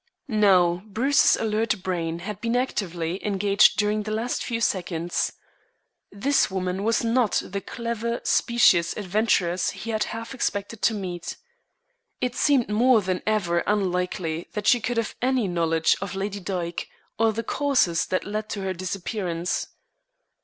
Now Bruce's alert brain had been actively engaged during the last few seconds. This woman was not the clever, specious adventuress he had half expected to meet. It seemed more than ever unlikely that she could have any knowledge of Lady Dyke or the causes that led to her disappearance.